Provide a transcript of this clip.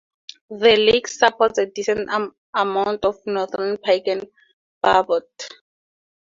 The lake supports a decent amount of Northern Pike and Burbot.